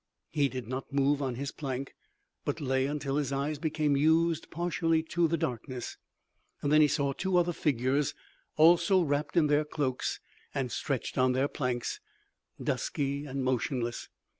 He did not move on his plank, but lay until his eyes became used partially to the darkness. Then he saw two other figures also wrapped in their cloaks and stretched on their planks, dusky and motionless.